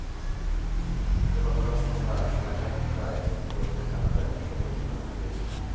তবে গতকাল সন্ধ্যা সাড়ে সাতটায় খোঁজ নিয়ে জানা যায়, সবারই চেতনা ফিরেছে।